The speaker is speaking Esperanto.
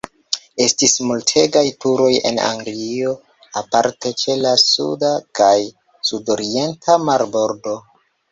Estis multegaj turoj en Anglio, aparte ĉe la suda kaj sudorienta marbordoj.